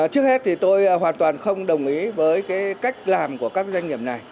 trước hết thì tôi hoàn toàn không đồng ý với cái cách làm của các doanh nghiệp này